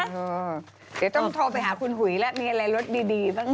เดี๋ยวต้องโทรไปหาคุณหุยแล้วมีอะไรรถดีบ้าง